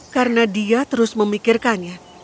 karena dia terus memikirkannya